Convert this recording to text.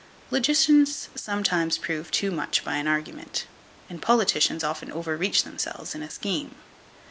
Logicians sometimes prove too much by an argument, and politicians often overreach themselves in a scheme.